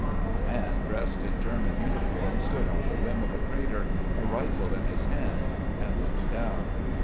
A man, dressed in German uniform, stood on the rim of the crater, a rifle in his hand, and looked down.